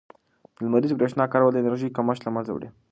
د لمریزې برښنا کارول د انرژۍ کمښت له منځه وړي.